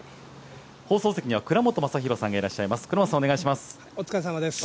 放送席には倉本昌弘さんがいらっしゃいます。